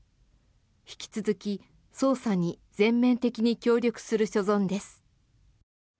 引き続き捜査に全面的に協力する所存です。